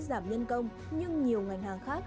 giảm nhân công nhưng nhiều ngành hàng khác